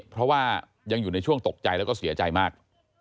เพราะว่ายังอยู่ในช่วงตกใจแล้วก็เสียใจมาก